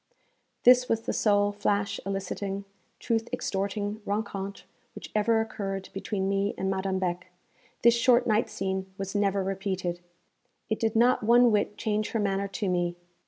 This was the sole flash eliciting, truth extorting rencontre which ever occurred between me and Madame Beck; this short night scene was never repeated. It did not one whit change her manner to me.